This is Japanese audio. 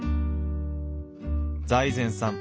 財前さん